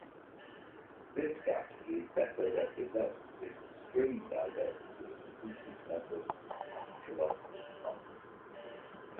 This strategy better represents the extreme diversity of species numbers and ecological types.